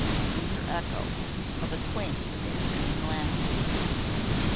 a mere echo of a quaint and inane laugh.